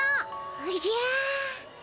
おじゃ。